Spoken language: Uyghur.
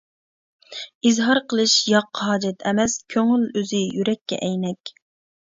ئىزھار قىلىش ياق ھاجەت ئەمەس، كۆڭۈل ئۆزى يۈرەككە ئەينەك.